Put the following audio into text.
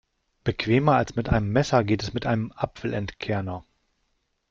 Bequemer als mit einem Messer geht es mit einem Apfelentkerner.